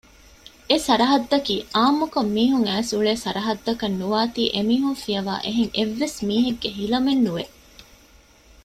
އެސަރަހައްދަކީ އާންމުކޮށް މީހުން އައިސްއުޅޭ ސަރަހައްދަކަށް ނުވާތީ އެމީހުން ފިޔަވާ އެހެން އެއްވެސް މީހެއްގެ ހިލަމެއް ނުވެ